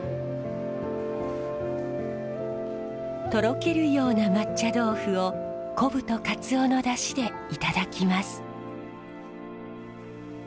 とろけるような抹茶豆腐を昆布とカツオのだしでいただきます。